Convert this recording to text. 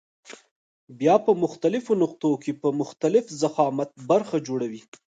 بیا په مختلفو نقطو کې په مختلف ضخامت برخه جوړوي.